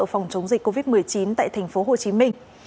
phòng chống dịch covid một mươi chín tại thành phố hồ chí minh